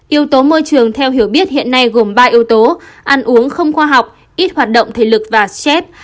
yếu tố môi trường theo hiểu biết hiện nay gồm ba yếu tố ăn uống không khoa học ít hoạt động thể lực và xếp